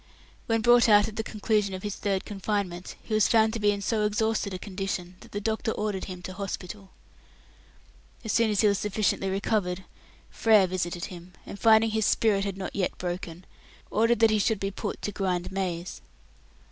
When brought out at the conclusion of his third confinement, he was found to be in so exhausted a condition that the doctor ordered him to hospital. As soon as he was sufficiently recovered, Frere visited him, and finding his "spirit" not yet "broken", ordered that he should be put to grind maize.